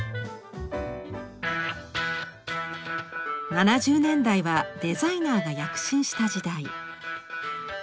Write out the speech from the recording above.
７０年代はデザイナーが躍進した時代。